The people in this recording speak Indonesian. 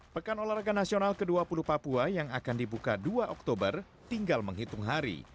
pekan olahraga nasional ke dua puluh papua yang akan dibuka dua oktober tinggal menghitung hari